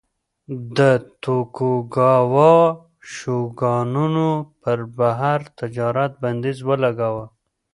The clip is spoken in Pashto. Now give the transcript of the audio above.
د توکوګاوا شوګانانو پر بهر تجارت بندیز ولګاوه.